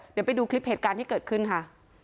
เดี๋ยวไปดูคลิปเหตุการณ์ที่เกิดขึ้นค่ะ